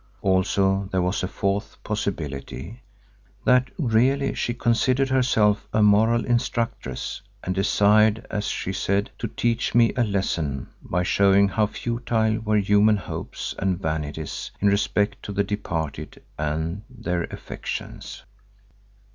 Also there was a fourth possibility—that really she considered herself a moral instructress and desired, as she said, to teach me a lesson by showing how futile were human hopes and vanities in respect to the departed and their affections.